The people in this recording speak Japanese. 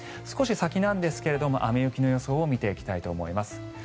少し先なんですが雨、雪の予想を見ていきたいと思います。